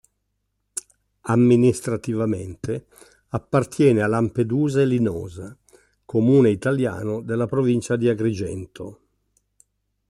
Amministrativamente appartiene a Lampedusa e Linosa, comune italiano della provincia di Agrigento.